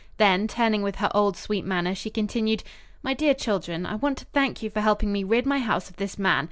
Then, turning with her old, sweet manner, she continued: "My dear children, I want to thank you for helping me rid my house of this man.